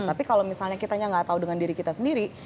tapi kalau misalnya kitanya nggak tahu dengan diri kita sendiri